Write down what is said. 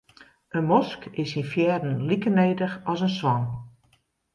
In mosk is syn fearen like nedich as in swan.